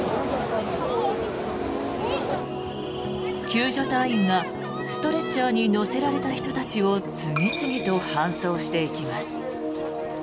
救助隊員がストレッチャーに乗せられた人たちを次々と搬送していきます。